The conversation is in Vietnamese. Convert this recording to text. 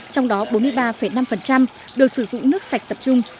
trong đó bốn mươi ba năm được sử dụng nước sạch tập trung